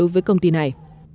với công ty này